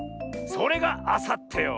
それがあさってよ。